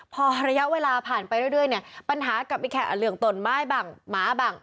พอระยะเวลาผ่านไปเรื่อยเนี่ยปัญหากับอีกแค่เรื่องตนไม้บ้างหมาบ้าง